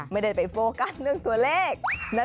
ไม่ได้ไปโฟกัสเรื่องตัวเลข